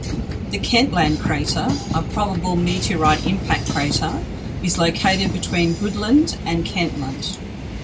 The Kentland crater, a probable meteorite impact crater, is located between Goodland and Kentland.